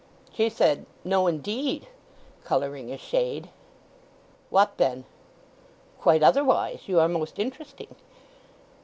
She said, "No, indeed," colouring a shade. "What then?" "Quite otherwise. You are most interesting."